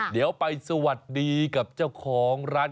เดี๋ยวไปสวัสดีกับเจ้าของร้าน